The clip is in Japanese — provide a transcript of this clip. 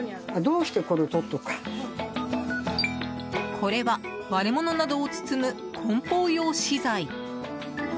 これは割れ物などを包む梱包用資材。